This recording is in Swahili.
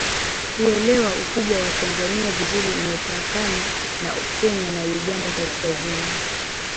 Kuelewa ukubwa wa Tanzania vizuri imepakana na Kenya na Uganda Kaskazini